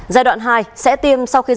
giai đoạn hai sẽ tiêm sau khi tiêm